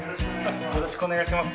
よろしくお願いします。